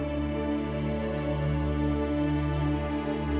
oka dapat mengerti